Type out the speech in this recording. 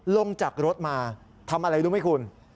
ลงจากรถมาทำอะไรรู้ไหมคุณ